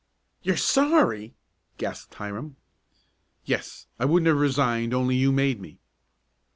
"You're sorry?" gasped Hiram. "Yes, I wouldn't have resigned only you made me."